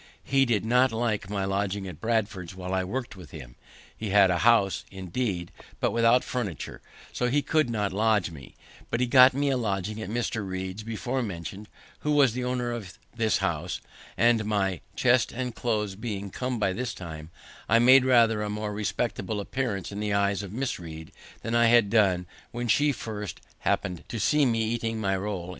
He did not like my lodging at Bradford's while I work'd with him. He had a house, indeed, but without furniture, so he could not lodge me; but he got me a lodging at Mr. Read's before mentioned, who was the owner of his house; and, my chest and clothes being come by this time, I made rather a more respectable appearance in the eyes of Miss Read than I had done when she first happen'd to see me eating my roll in the street.